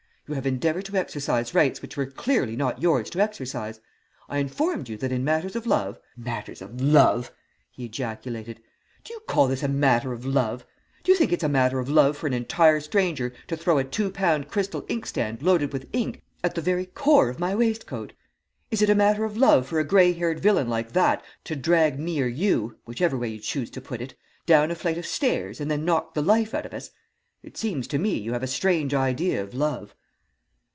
You have endeavoured to exercise rights which were clearly not yours to exercise. I informed you that in matters of love ' "'Matters of love!' he ejaculated. 'Do you call this a matter of love? Do you think it's a matter of love for an entire stranger to throw a two pound crystal inkstand loaded with ink at the very core of my waistcoat? Is it a matter of love for a grey haired villain like that to drag me or you, whichever way you choose to put it, down a flight of stairs and then knock the life out of us? It seems to me, you have a strange idea of love.'